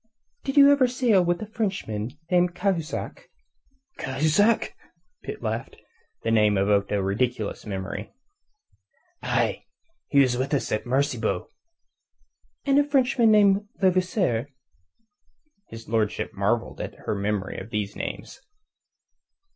"Did you ever sail with a Frenchman named Cahusac?" "Cahusac?" Pitt laughed. The name evoked a ridiculous memory. "Aye. He was with us at Maracaybo." "And another Frenchman named Levasseur?" His lordship marvelled at her memory of these names.